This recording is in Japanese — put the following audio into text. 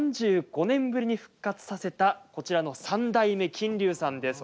３５年ぶりに復活させたこちらの３代目、金龍さんです。